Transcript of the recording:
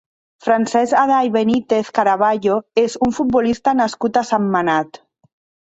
Francesc Aday Benítez Caraballo és un futbolista nascut a Sentmenat.